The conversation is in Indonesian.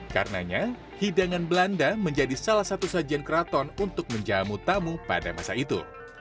karenanya hidangan belanda menjadi salah satu sajian keraton untuk menjamu tamu pada masa itu